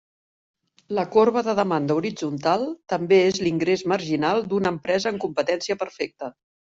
La corba de demanda horitzontal també és l'ingrés marginal d'una empresa en competència perfecta.